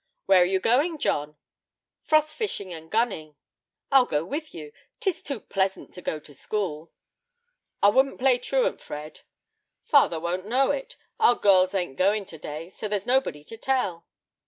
"Where are you going, John?" "Frost fishing and gunning." "I'll go with you; 'tis too pleasant to go to school." "I wouldn't play truant, Fred." "Father won't know it; our girls ain't going to day; so there's nobody to tell."